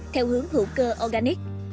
theo hướng hữu cơ organic